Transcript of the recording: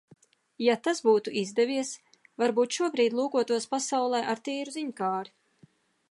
Ja tas būtu izdevies, varbūt šobrīd lūkotos pasaulē ar tīru ziņkāri.